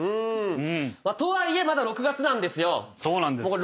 とはいえまだ６月なんですよ。